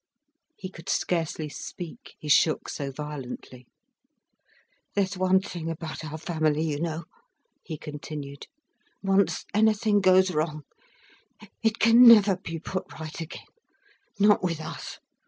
He could scarcely speak, he shook so violently. "There's one thing about our family, you know," he continued. "Once anything goes wrong, it can never be put right again—not with us.